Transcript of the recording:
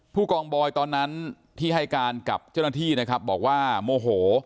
ผู้กองบอยตอนนั้นที่ให้การกับเจ้าหน้าที่นะครับบอกว่าโมโห